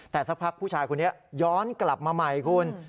แต่สักพักผู้ชายคนนี้ย้อนกลับมาใหม่คุณ